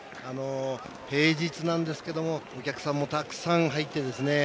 平日なんですけどもお客さんもたくさん入ってですね